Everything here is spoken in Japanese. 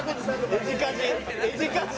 エジカジ！